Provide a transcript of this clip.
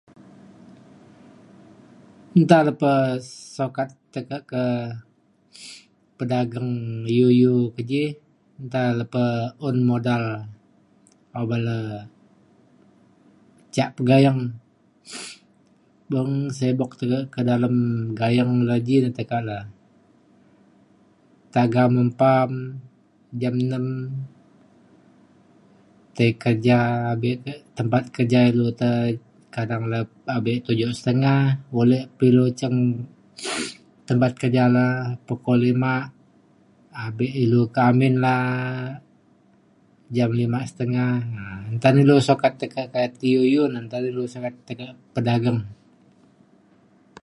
Nta le pa sukat tekak ke pedagang iu iu ke ji nta le pe un modal apan le ca pegayeng. Mung sibuk tekak ke dalem gayeng teknologi di tekak le. Taga mempam jam nem ti kerja bio te tempat kerja ilu te kadang le pabe tujuh setengah boleh pe ilu cam tempat kerja na pukul lima abe ilu kak amin la’a jam lime setengah um nta na ilu sukat tekak na iu iu na nta na ilu sukat tekak pedagang